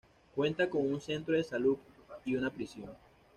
Cuenta con un centro de salud y una prisión.